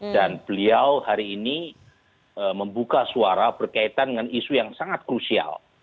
dan beliau hari ini membuka suara berkaitan dengan isu yang sangat krusial